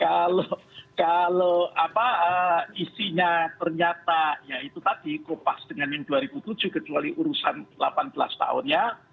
kalau isinya ternyata ya itu tadi kopas dengan yang dua ribu tujuh kecuali urusan delapan belas tahunnya